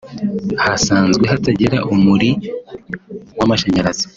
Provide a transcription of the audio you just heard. ahasanzwe hatagera umuri w’amashanyarazi